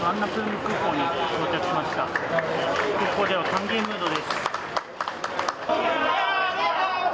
空港では歓迎ムードです。